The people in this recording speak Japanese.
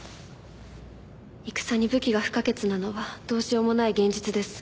戦に武器が不可欠なのはどうしようもない現実です。